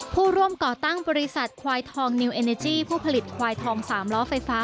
ผู้ร่วมก่อตั้งบริษัทควายทองนิวเอเนจี้ผู้ผลิตควายทอง๓ล้อไฟฟ้า